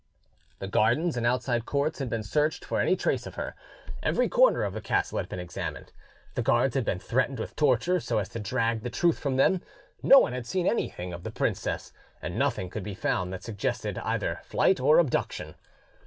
The gardens and outside courts had been searched for any trace of her; every corner of the castle had been examined; the guards had been threatened with torture, so as to drag the truth from them; no one had seen anything of the princess, and nothing could be found that suggested either flight or abduction.